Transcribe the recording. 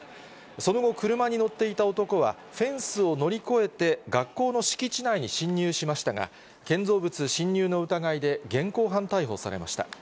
その後、車に乗っていた男は、フェンスを乗り越えて学校の敷地内に侵入しましたが、建造物侵入の疑いで現行犯逮捕されました。